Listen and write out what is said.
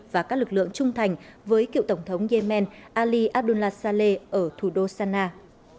và các lực lượng trung thành với cựu tổng thống yemen ali abdullah saleh ở thủ đô sana a